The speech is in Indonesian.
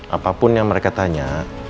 apapun yang mereka tanya